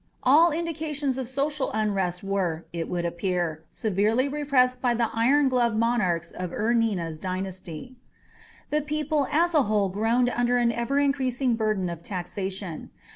All indications of social unrest were, it would appear, severely repressed by the iron gloved monarchs of Ur Nina's dynasty. The people as a whole groaned under an ever increasing burden of taxation.